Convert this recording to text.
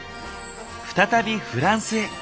再びフランスへ。